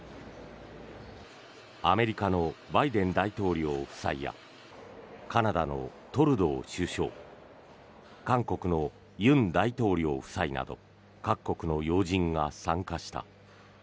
アメリカのバイデン大統領夫妻やカナダのトルドー首相韓国の尹大統領夫妻など各国の要人が参加した。